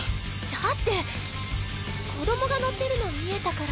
だって子供が乗ってるの見えたから。